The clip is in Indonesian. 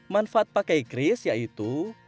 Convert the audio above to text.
manfaat pakai grace yaitu